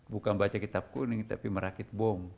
bukan baca kitab kuning tapi merakit bom